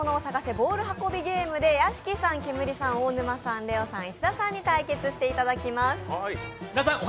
ボール運びゲーム」で屋敷さん、ケムリさん、大沼さん、ＬＥＯさん、石田さんに対決していただきます。